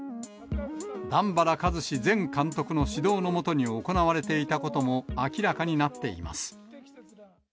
段原一詞前監督の指導の下に行われていたことも明らかになっています。